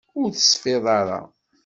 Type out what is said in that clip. Ur tesfiḍ ara.